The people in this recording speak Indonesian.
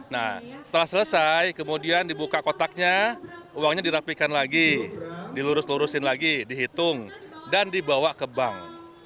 nah setelah selesai kemudian dibuka kotaknya uangnya dirapikan lagi dilurus lurusin lagi dihitung dan dibawa ke bank